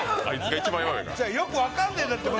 よく分かんないんだって。